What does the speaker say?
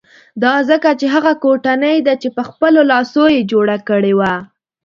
دا ځکه چې هغه کوټنۍ ده چې په خپلو لاسو یې جوړه کړې وه.